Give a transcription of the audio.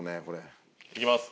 いきます。